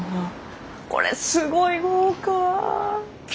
これすごい豪華！